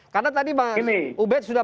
karena tadi bang ubed sudah